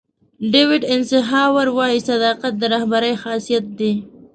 ډیوېټ ایسنهاور وایي صداقت د رهبرۍ خاصیت دی.